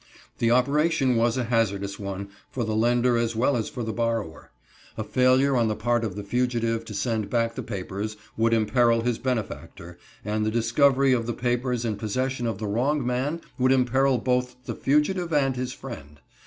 The operation was a hazardous one for the lender as well as for the borrower. A failure on the part of the fugitive to send back the papers would imperil his benefactor, and the discovery of the papers in possession of the wrong man would imperil both the fugitive and his friend.